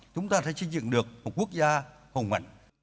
chúng ta sẽ xây dựng được một quốc gia